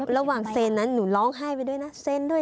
ระหว่างเซ็นนั้นหนูร้องไห้ไปด้วยนะเซ็นด้วย